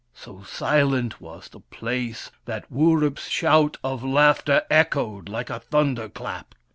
So silent was the place that Wurip's shout of laughter echoed like a thunderclap.